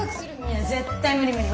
いや絶対無理無理！